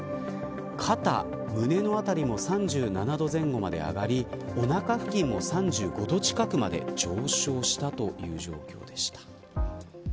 肩、胸のあたりも３７度前後まで上がりおなか付近も３５度近くまで上昇したという状況でした。